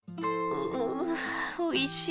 うおいしい。